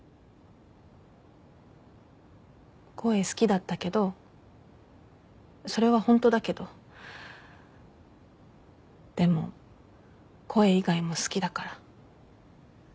声好きだったけどそれはホントだけどでも声以外も好きだから。